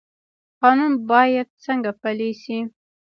قانون باید څنګه پلی شي؟